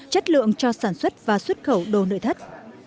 chất lượng cho sản xuất và xuất khẩu đồ nội thất